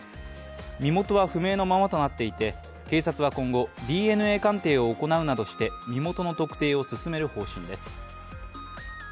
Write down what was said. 身元は不明のままとなっていて警察は今後、ＤＮＡ鑑定を行うなどして身元の特定を進める方針です。